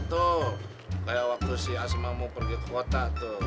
seperti waktu si asma mau pergi ke kota